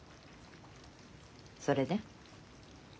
それで？